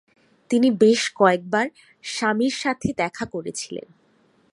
তিনি বেশ কয়েকবার স্বামীর সাথে দেখা করেছিলেন।